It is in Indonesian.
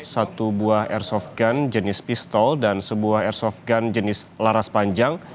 satu buah airsoft gun jenis pistol dan sebuah airsoft gun jenis laras panjang